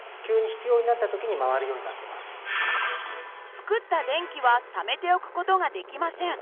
作った電気はためておく事ができません。